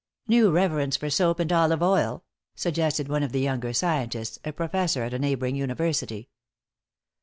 "New reverence for soap and olive oil," suggested one of the younger scientists, a professor at a neighboring university.